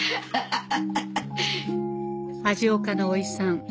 味岡のおいさん